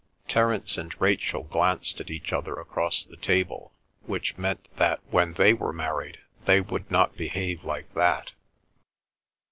Terence and Rachel glanced at each other across the table, which meant that when they were married they would not behave like that.